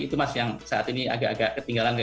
itu mas yang saat ini agak agak ketinggalan